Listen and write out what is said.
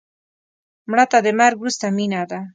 مړه ته د مرګ وروسته مینه ده